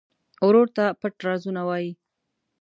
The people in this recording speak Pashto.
ورور ته پټ رازونه وایې.